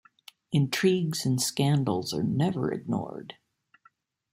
Intrigues and scandals are never ignored.